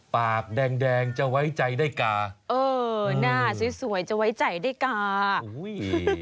ปากแดงแดงจะไว้ใจได้กาเออหน้าสวยสวยจะไว้ใจได้กาอุ้ย